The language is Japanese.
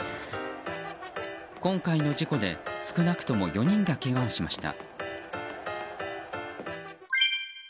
今回の事故で、少なくとも４人がけがをしました。